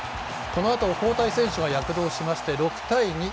このあと交代選手が躍動しまして６対２。